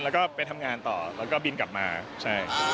แล้วก็ไปทำงานต่อแล้วก็บินกลับมาใช่